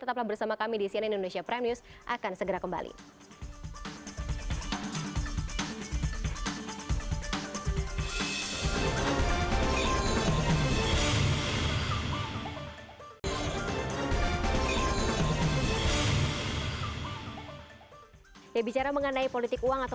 tetaplah bersama kami di cnn indonesia prime news akan segera kembali